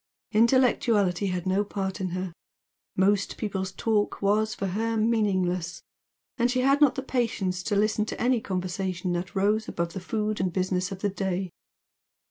Intellectuality had no part in her; most people's talk was for her meaningless, and she had not the patience to listen to any conversation that rose above the food and business of the day.